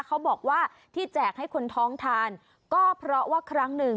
เขาบอกว่าที่แจกให้คนท้องทานก็เพราะว่าครั้งหนึ่ง